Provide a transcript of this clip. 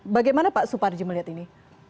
bagaimana pak suparji melihat ini